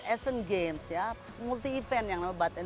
asian games ya multi event yang lebat